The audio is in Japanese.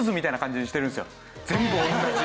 全部同じ。